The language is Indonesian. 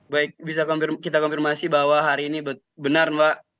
baik bisa kita konfirmasi bahwa hari ini benar mbak